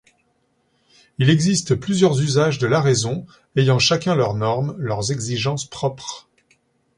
Il existe plusieurs usages de la raison ayant chacun leurs normes, leurs exigences propres.